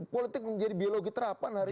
politik menjadi biologi terapan hari